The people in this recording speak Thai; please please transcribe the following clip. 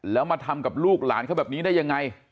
แล้วมาทำกับลูกหลานเขาแบบนี้ได้ยังไง